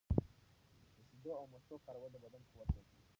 د شیدو او مستو کارول د بدن قوت زیاتوي.